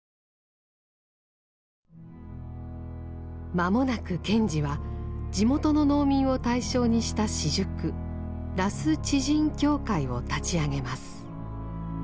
まもなく賢治は地元の農民を対象にした私塾「羅須地人協会」を立ち上げます。